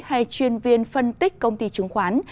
hay chuyên viên phân tích công ty chứng khoán